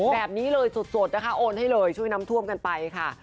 แบบนี้เลยสดนะคะโอนให้เลยช่วยน้ำท่วมกันไปค่ะ